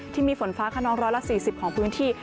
ที่มีฝนฟ้าคนอง๑๔๐ของพื้นที่